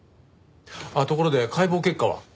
ところで解剖結果は？